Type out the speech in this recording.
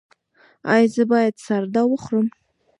ایا زه باید سردا وخورم؟